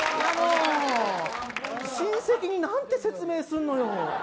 親戚になんて説明すんのよ。